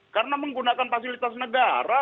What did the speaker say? karena menggunakan fasilitas negara